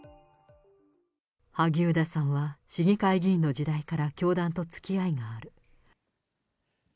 萩生田さんは市議会議員の時代から教団とつきあいがある。